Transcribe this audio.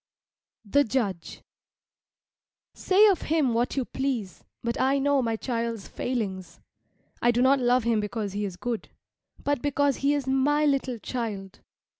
THE JUDGE Say of him what you please, but I know my child's failings. I do not love him because he is good, but because he is my little child.